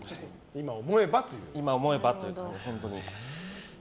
今思えばという感じです。